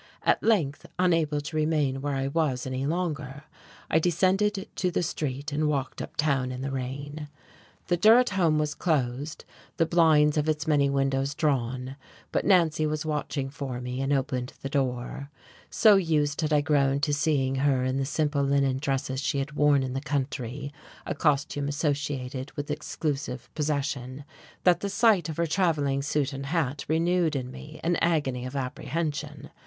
At length, unable to remain where I was any longer, I descended to the street and walked uptown in the rain. The Durrett house was closed, the blinds of its many windows drawn, but Nancy was watching for me and opened the door. So used had I grown to seeing her in the simple linen dresses she had worn in the country, a costume associated with exclusive possession, that the sight of her travelling suit and hat renewed in me an agony of apprehension.